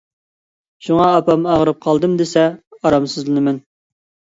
شۇڭا ئاپام ئاغرىپ قالدىم دېسە ئارامسىزلىنىمەن.